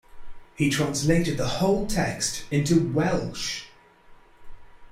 He translated the whole text into Welsh.